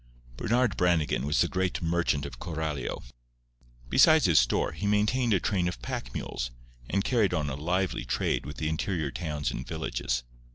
Bernard Brannigan was the great merchant of Coralio. Besides his store, he maintained a train of pack mules, and carried on a lively trade with the interior towns and villages.